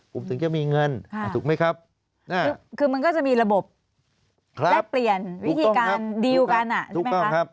ผมถึงจะมีเงินถูกไหมครับคือมันก็จะมีระบบแลกเปลี่ยนวิธีการดีลกันใช่ไหมคะ